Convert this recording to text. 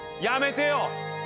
やめてよ。